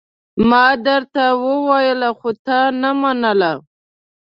ما درته وويل خو تا نه منله!